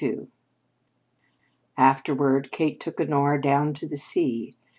XXXII Afterward Kate took Honora down to the sea.